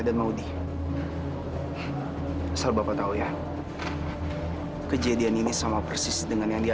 bapak bisa cek langsung ke ruang audio